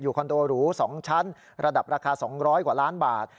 อยู่คอนโตรูสองชั้นระดับราคา๒๐๐กว่าล้านบาท